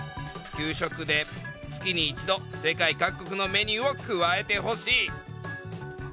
「給食で月に一度世界各国のメニューを加えて欲しい」。